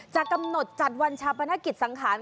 จะกำหนดจัดวันชาปนกิจสังขาร